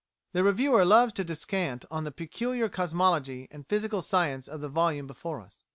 The reviewer loves to descant on the "peculiar cosmology and physical science of the volume before us."